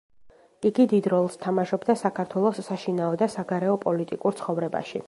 იგი დიდ როლს თამაშობდა საქართველოს საშინაო და საგარეო პოლიტიკურ ცხოვრებაში.